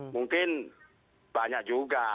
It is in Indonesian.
mungkin banyak juga